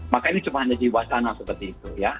maka ini cuma hanya diwacana seperti itu ya